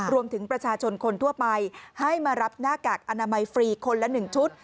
รวมถึงประชาชนคนทั่วไปให้มารับหน้ากากอนามัยฟรีคนละ๑ชุด